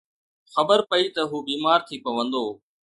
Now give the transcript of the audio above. خبر پئي ته هو بيمار ٿي پوندو